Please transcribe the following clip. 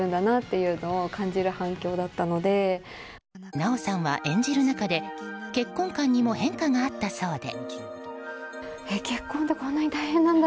奈緒さんは演じる中で結婚観にも変化があったそうで。